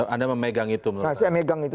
anda memegang itu